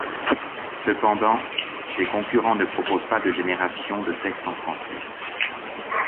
Cependant, ces concurrents ne proposent pas de génération de texte en Français.